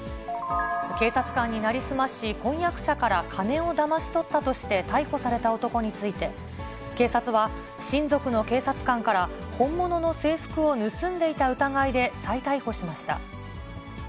警察官に成り済まし、婚約者から金をだまし取ったとして逮捕された男について、警察は親族の警察官から本物の制服を盗んでいた疑いで再逮捕しました。